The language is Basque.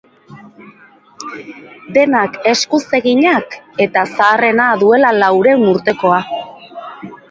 Denak eskuz eginak, eta zaharrena duela laurehun urtekoa.